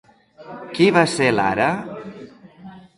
Qui va ser Lara?